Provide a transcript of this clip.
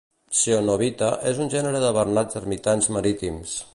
Coenobita és un gènere de bernats ermitans marítims.